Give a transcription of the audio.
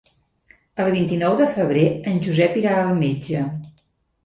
El vint-i-nou de febrer en Josep irà al metge.